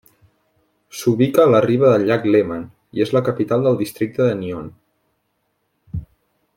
S'ubica a la riba del llac Léman, i és la capital del districte de Nyon.